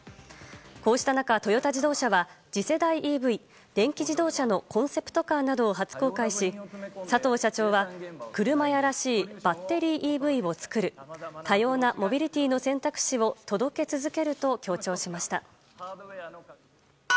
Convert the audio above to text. こうした中、トヨタ自動車は次世代ＥＶ・電気自動車のコンセプトカーなどを初公開し、佐藤社長は車屋らしいバッテリーＥＶを作る多様なモビリティーの選択肢を届け続けると強調しました。